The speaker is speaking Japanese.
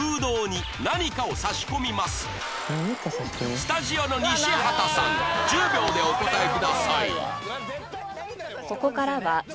スタジオの西畑さん１０秒でお答えください